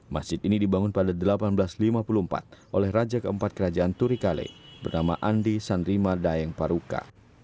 masjid ini dibangun pada seribu delapan ratus lima puluh empat oleh raja keempat kerajaan turikale bernama andi sanrima daeng paruka